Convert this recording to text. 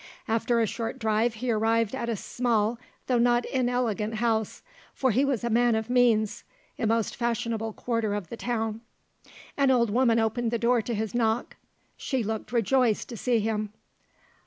After a short drive he arrived at a small though not inelegant house, for he was a man of means, in the most fashionable quarter of the town. An old woman opened the door to his knock. She looked rejoiced to see him.